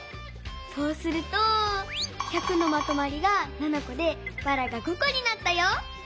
そうすると「１００」のまとまりが７こでばらが５こになったよ！